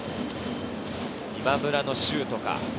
今村のシュートか？